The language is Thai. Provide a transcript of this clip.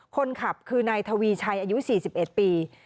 คนขับคือนายทวีชัยอายุ๔๑ปี